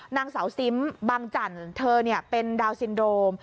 นางสาวซิมบางจั่นเธอเป็นดาวสินโดรม